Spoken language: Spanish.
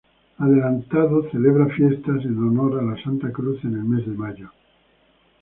Adelantado celebra fiestas en honor a la Santa Cruz en el mes de mayo.